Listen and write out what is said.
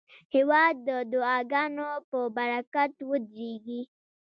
هېواد د دعاګانو په برکت ودریږي.